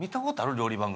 料理番組。